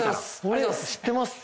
俺知ってます